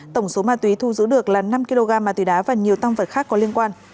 tổng số ma túy thu giữ được là năm kg ma túy đá và nhiều tăng vật khác có liên quan